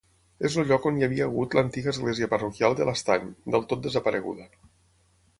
És el lloc on hi havia hagut l'antiga església parroquial de l'Estany, del tot desapareguda.